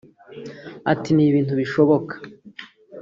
Ati “Ni ibintu bishoboka